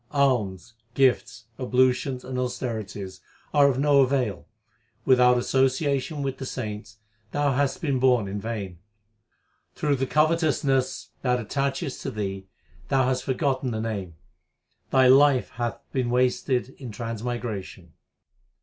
Alms gifts, ablutions, and austerities are of no avail ; without association with the saints, thou hast been born in vain. Through the covetousness that attacheth to thee thou hast forgotten the Name ; thy life hath been wasted in transmigration.